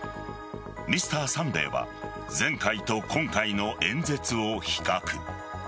「Ｍｒ．サンデー」は前回と今回の演説を比較。